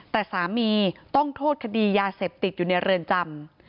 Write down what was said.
แต่สามีต้องโทษคดียาเสพติดอยู่ในเรือนจำ